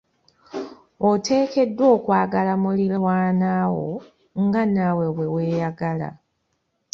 Oteekeddwa okwagala muliraanwa wo nga naawe bwe weeyagala.